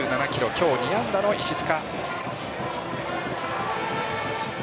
今日２安打の石塚。